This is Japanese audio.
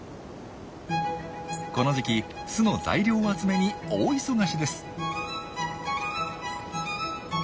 この時期巣の材料集めに大忙しです。